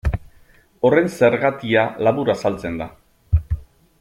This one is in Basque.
Horren zergatia labur azaltzen da.